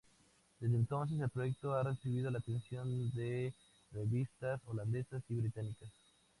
Desde entonces el proyecto ha recibido la atención de revistas holandesas y británicas.